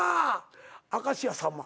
明石家さんま。